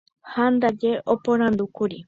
ha ndaje oporandúkuri